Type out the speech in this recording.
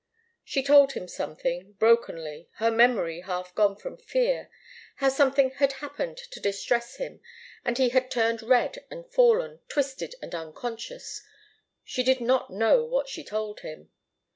She told him something, brokenly, her memory half gone from fear how something had happened to distress him, and he had turned red and fallen, twisted and unconscious she did not know what she told him.